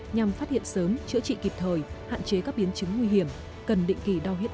nhằm phát hiện sớm chữa trị kịp thời hạn chế các biến chứng nguy hiểm cần định kỳ đau huyết áp